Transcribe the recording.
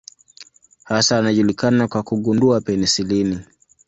Hasa anajulikana kwa kugundua penisilini.